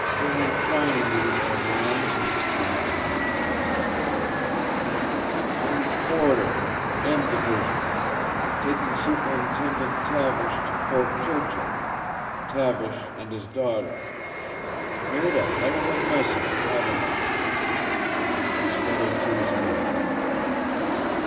"Dam' fine of you, old man," he mumbled between blistered lips. "I'm Porter 'N' Division taking Superintendent Tavish to Fort Churchill Tavish and his daughter. Made a hell of a mess of it, haven't I?" He struggled to his knees.